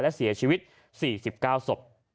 และเสียชีวิต๔๙ศพ